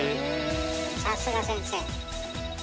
さすが先生。